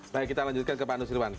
baik kita lanjutkan ke pak nusirwan